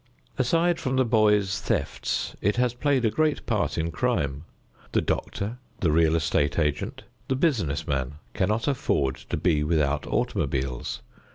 Aside from the boys' thefts it has played a great part in crime. The doctor, the real estate agent, the business man cannot afford to be without automobiles.